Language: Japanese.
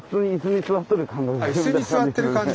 あ椅子に座ってる感じ。